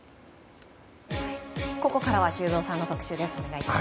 ここからは修造さんの特集です。